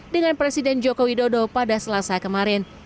dengan presiden joko widodo pada selasa kemarin